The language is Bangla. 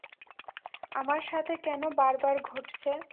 আমার সাথে কেন বারবার ঘটছে!